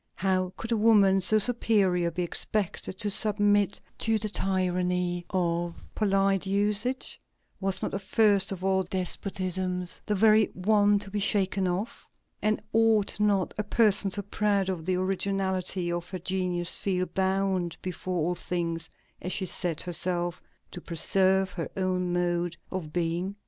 How could a woman so superior be expected to submit to the tyranny of polite usages? Was not the first of all despotisms the very one to be shaken off? and ought not a person so proud of the originality of her genius feel bound before all things, as she said herself, "to preserve her own mode of being"?